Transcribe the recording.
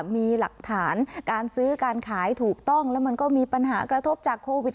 มีหลักฐานการซื้อการขายถูกต้องแล้วมันก็มีปัญหากระทบจากโควิด